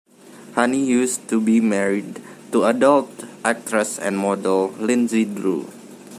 Honey used to be married to adult actress and model Linzi Drew.